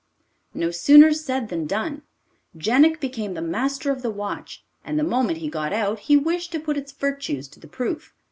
No sooner said than done. Jenik became the master of the watch, and the moment he got out he wished to put its virtues to the proof.